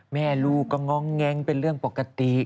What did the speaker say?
แม่ลูกก็ง้องแง้งเป็นเรื่องปกติ